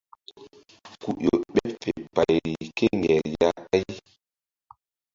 Ku ƴo ɓeɓ fe payri kéŋger ya ɓáy.